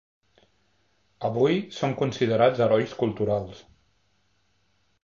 Avui son considerats herois culturals.